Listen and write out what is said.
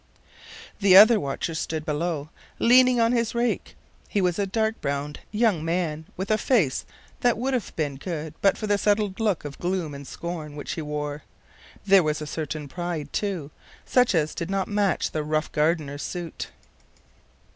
The other watcher stood below, leaning on his rake. He was a dark browed young man, with a face that would have been good but for the settled look of gloom and scorn which he wore. There was a certain pride, too, such as did not match the rough gardener's suit.